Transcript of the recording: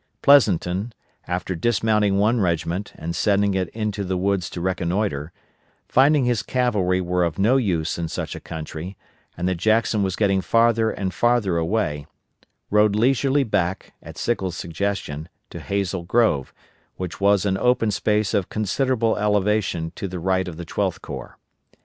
Pleasonton, after dismounting one regiment and sending it into the woods to reconnoitre, finding his cavalry were of no use in such a country, and that Jackson was getting farther and father away, rode leisurely back, at Sickles' suggestion, to Hazel Grove, which was an open space of considerable elevation to the right of the Twelfth Corps.